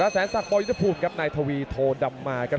แสนศักดิปอยุทธภูมิครับนายทวีโทดำมาครับ